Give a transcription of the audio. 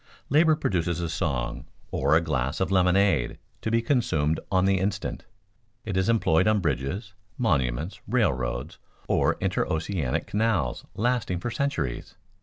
Labor produces a song or a glass of lemonade to be consumed on the instant; it is employed on bridges, monuments, railroads, or interoceanic canals lasting for centuries.